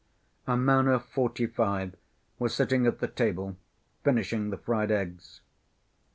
A man of forty‐five was sitting at the table, finishing the fried eggs.